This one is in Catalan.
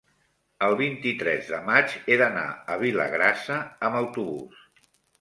el vint-i-tres de maig he d'anar a Vilagrassa amb autobús.